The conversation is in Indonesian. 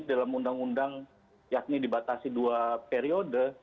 dalam undang undang yakni dibatasi dua periode